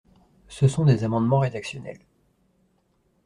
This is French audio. Ce sont des amendements rédactionnels.